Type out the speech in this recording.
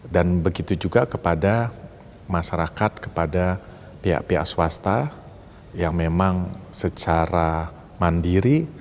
dan begitu juga kepada masyarakat kepada pihak pihak swasta yang memang secara mandiri